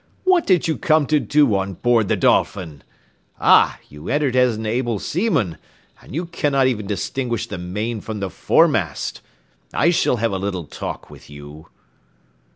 "What did you come to do on board the Dolphin! Ah! you entered as an able seaman, and you cannot even distinguish the main from the foremast! I shall have a little talk with you."